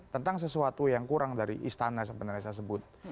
tentang sesuatu yang kurang dari istana sebenarnya saya sebut